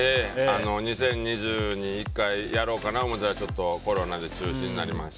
２０２２年に１回やろうかなと思ったらコロナで中止になりまして。